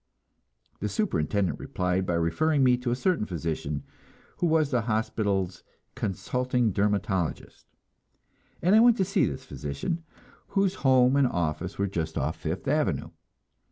The superintendent replied by referring me to a certain physician, who was the hospital's "consulting dermatologist," and I went to see this physician, whose home and office were just off Fifth Avenue.